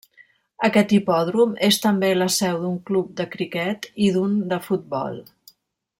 Aquest hipòdrom és també la seu d'un club de criquet i d'un de futbol.